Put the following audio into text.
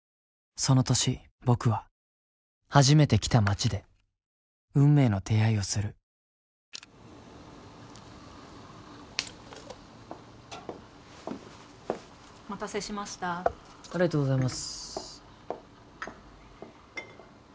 その年僕は初めて来た街で運命の出会いをするお待たせしましたありがとうございます